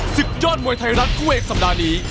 ศึกยอดมวยไทยรัฐคู่เอกสัปดาห์นี้